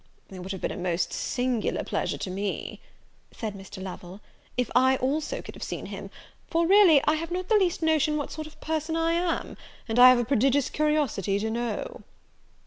"It would have been a most singular pleasure to me," said Mr. Lovel, "if I also could have seen him; for, really, I have not the least notion what sort of a person I am, and I have a prodigious curiosity to know."